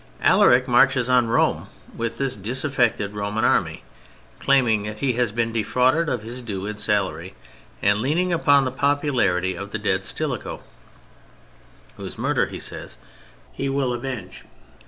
Alaric marches on Rome with this disaffected Roman Army, claiming that he has been defrauded of his due in salary, and leaning upon the popularity of the dead Stilicho, whose murder he says he will avenge.